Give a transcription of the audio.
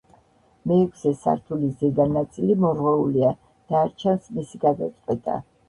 მეექვსე სართულის ზედა ნაწილი მორღვეულია და არ ჩანს მისი გადაწყვეტა.